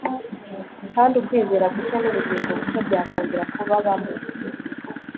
kandi ukwizera gushya nubugingo bushya byakongera kubabamo